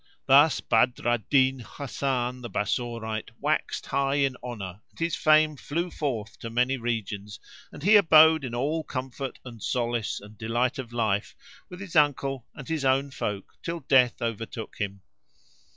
Thus Badr al Din Hasan the Bassorite waxed high in honour and his fame flew forth to many regions and he abode in all comfort and solace and delight of life with his uncle and his own folk till Death overtook him.